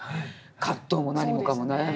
葛藤も何もかも悩みも。